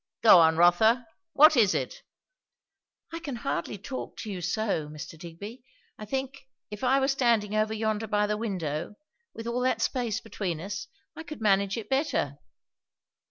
"Go on, Rotha. What is it?" "I can hardly talk to you so, Mr. Digby. I think, if I were standing over yonder by the window, with all that space between us, I could manage it better."